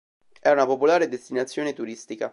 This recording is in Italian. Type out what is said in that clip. È una popolare destinazione turistica.